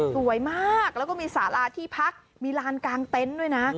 สวยมากแล้วก็มีสาราที่พักมีลานกลางเต็นต์ด้วยนะ